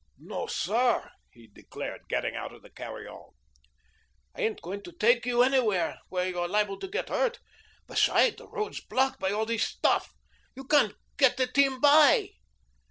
"No, SIR," he declared, getting out of the carry all, "I ain't going to take you anywhere where you're liable to get hurt. Besides, the road's blocked by all this stuff. You can't get the team by."